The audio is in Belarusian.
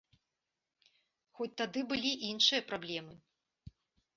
Хоць тады былі іншыя праблемы.